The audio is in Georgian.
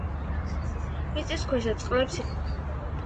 მიწისქვეშა წყლებს იყენებენ სარწყავად.